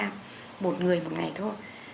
một người một ngày thôi